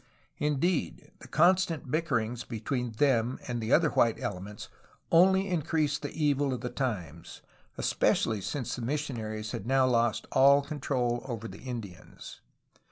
Indeed, the constant bickerings between them and the other white elements only increased the evil of the times, especially since the missionaries had now lost all control over the Indians.